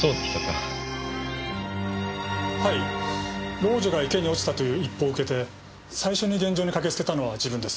老女が池に落ちたという一報を受けて最初に現場に駆けつけたのは自分です。